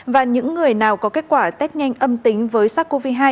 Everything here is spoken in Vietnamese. và những người nào có kết quả test nhanh âm tính với sars cov hai